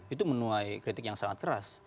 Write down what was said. itu menuai kritik yang sangat keras